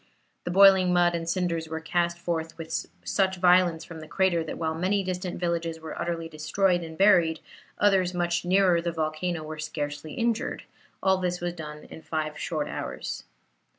The boiling mud and cinders were cast forth with such violence from the crater, that while many distant villages were utterly destroyed and buried, others much nearer the volcano were scarcely injured; and all this was done in five short hours.